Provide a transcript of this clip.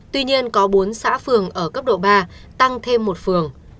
tuy nhiên có bốn xã phường ở cấp độ ba tăng thêm một phường